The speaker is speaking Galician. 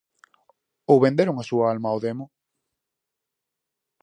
Ou venderon a súa alma ó demo?